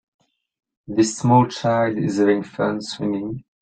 This small child is having fun swinging.